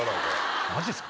マジっすか？